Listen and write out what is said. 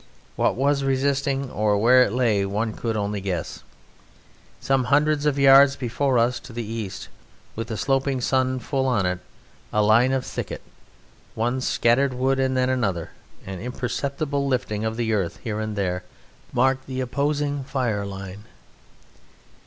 What was resisting, or where it lay, one could only guess. Some hundreds of yards before us to the east, with the sloping sun full on it, a line of thicket, one scattered wood and then another, an imperceptible lifting of the earth here and there marked the opposing firing line.